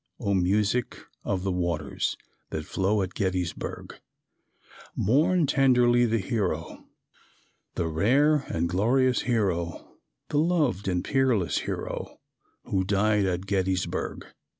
O music of the waters That flow at Gettysburg, Mourn tenderly the hero, The rare and glorious hero, The loved and peerless hero, Who died at Gettysburg.